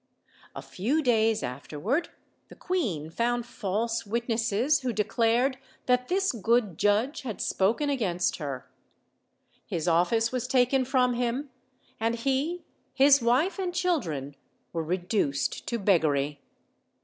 A few days afterward the queen found false witnesses who declared that this good judge had spoken against her. His office was taken from him, and he, his wife and OLD, OLD FAIRY TALES. 101 (C children, were reduced to beggary.